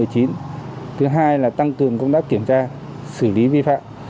thứ hai là tăng cường công tác kiểm tra xử lý vi phạm